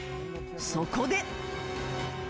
そこで。